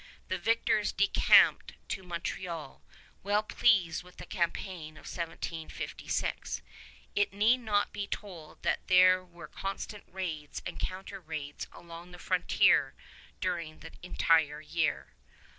The victors decamped to Montreal, well pleased with the campaign of 1756. It need not be told that there were constant raids and counter raids along the frontier during the entire year.